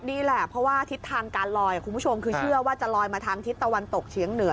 นี่แหละเพราะว่าทิศทางการลอยคุณผู้ชมคือเชื่อว่าจะลอยมาทางทิศตะวันตกเฉียงเหนือ